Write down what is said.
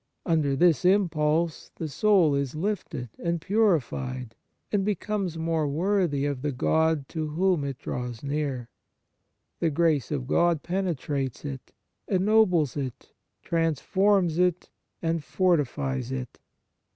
Under this impulse the soul is uplifted and puri On Piety fied, and becomes more worthy of the God to whom it draws near ; the grace of God penetrates it, ennobles it, transforms it and fortifies it.